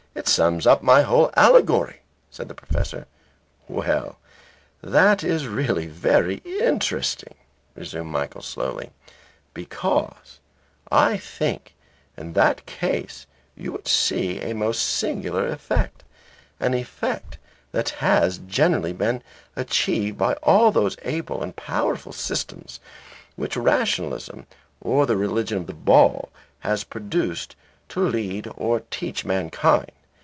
"It sums up my whole allegory," said the professor. "Well, that is really very interesting," resumed Michael slowly, "because I think in that case you would see a most singular effect, an effect that has generally been achieved by all those able and powerful systems which rationalism, or the religion of the ball, has produced to lead or teach mankind.